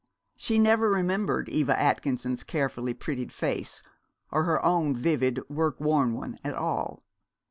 She never remembered Eva Atkinson's carefully prettied face, or her own vivid, work worn one, at all.